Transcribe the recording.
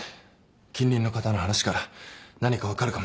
近隣の方の話から何か分かるかもしれないし。